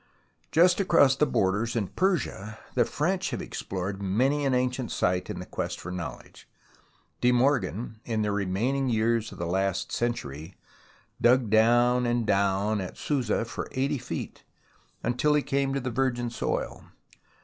Just across the borders in Persia the French have explored many an ancient site in the quest for knowledge. De Morgan, in the remaining years of last century, dug down and down at Susa for 80 feet, until he came to the virgin soil.